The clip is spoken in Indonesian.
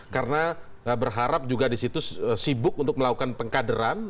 karena berharap juga disitu sibuk untuk melakukan pengkaderan